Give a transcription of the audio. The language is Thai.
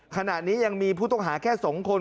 ขณะนี้ยังมีผู้ต้องหาแค่๒คน